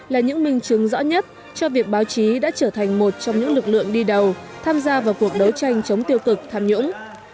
là những minh chứng rõ nhất cho việc báo chí đã trở thành một trong những lực lượng đi đầu tham gia vào cuộc đấu tranh chống tiêu cực tham nhũng